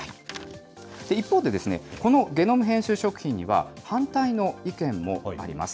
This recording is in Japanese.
一方で、このゲノム編集食品には、反対の意見もあります。